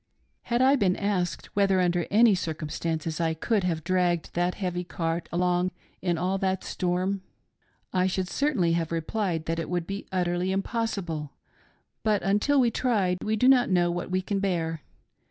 Had I been asked whether under any circumstances I could have dragged that heavy cart along in all that storm, I should certainly have replied that it would be utterly impossible ; but until we are tried we do not know what we can bear.